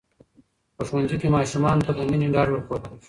په ښوونځي کې ماشومانو ته د مینې ډاډ ورکول کېږي.